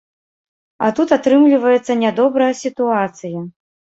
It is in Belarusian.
А тут атрымліваецца нядобрая сітуацыя.